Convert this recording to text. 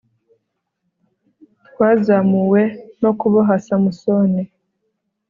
twazamuwe no kuboha samusoni